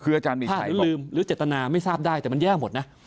พลาดหรือลืมหรือเจตนาไม่ทราบได้แต่มันแย่หมดนะ